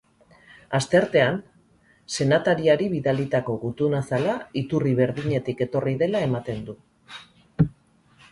Asteartean senatariari bidalitako gutun-azala iturri berdinetik etorri dela ematen du.